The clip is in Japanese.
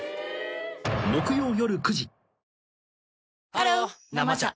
ハロー「生茶」